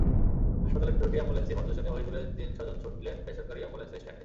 হাসপাতালের দুটি অ্যাম্বুলেন্সই বন্ধ শুনে অহিদুলের তিন স্বজন ছুটলেন বেসরকারি অ্যাম্বুলেন্সের স্ট্যান্ডে।